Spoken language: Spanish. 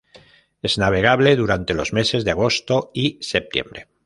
Es navegable durante los meses de agosto y septiembre.